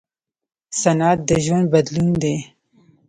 صنعت د ژوند بدلون دی.